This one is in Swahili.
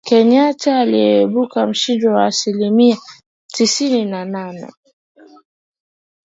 Kenyatta aliibuka mshindi kwa asilimia tisini na nane